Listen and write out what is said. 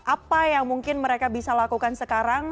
apa yang mungkin mereka bisa lakukan sekarang